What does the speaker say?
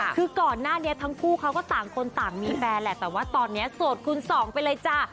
คือก่อนหน้านี้ทั้งคู่เขาก็ต่างคนต่างมีแฟนแหละแต่ว่าตอนนี้โสดคูณสองไปเลยจ้ะ